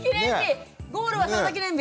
ゴールはサラダ記念日。